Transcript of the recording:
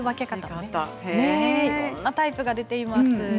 いろんなタイプが出ています。